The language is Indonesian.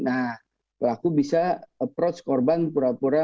nah pelaku bisa approach korban pura pura